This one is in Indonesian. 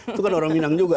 itu kan orang minang juga